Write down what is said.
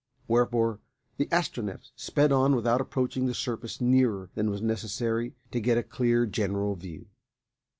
Wherefore the Astronef sped on without approaching the surface nearer than was necessary to get a clear general view.